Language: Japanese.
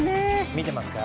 見てますか？